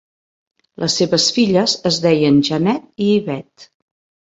Les seves filles es deien Jannette i Ivette.